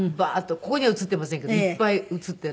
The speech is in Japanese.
ここには写っていませんけどいっぱい写っている。